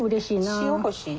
塩欲しい。